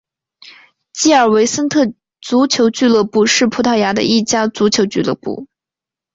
吉尔维森特足球俱乐部是葡萄牙的一家足球俱乐部。